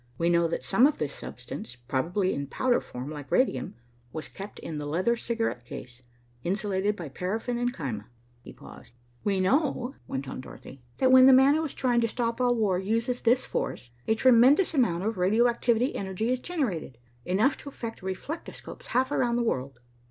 We know that some of this substance, probably in powder form like radium, was kept in the leather cigarette case, insulated by paraffin and caema." He paused. "We know," went on Dorothy, "that when the man who is trying to stop all war uses this force, a tremendous amount of radio active energy is generated, enough to affect reflectoscopes half around the world."